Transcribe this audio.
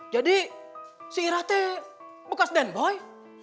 jadi si ira teh bekas den boy